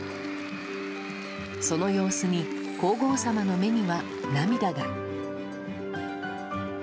その様子に皇后さまの目には涙が。